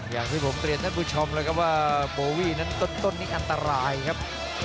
อย่างที่ผมเรียนท่านผู้ชมเลยครับว่าโบวี่นั้นต้นนี้อันตรายครับ